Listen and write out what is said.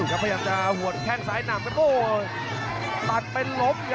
พยายามจะหวดแค่งซ้ายหน่ำครับโอ้ตัดไปลบ